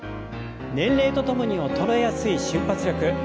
年齢とともに衰えやすい瞬発力。